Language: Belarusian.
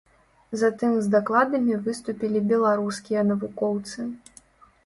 Затым з дакладамі выступілі беларускія навукоўцы.